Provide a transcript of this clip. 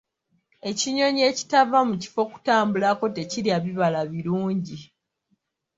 Ekinyonyi ekitava mu kifo kutambulako tekirya bibala birungi.